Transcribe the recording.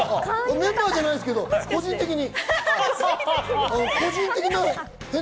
メンバーじゃないですけれども個人的に。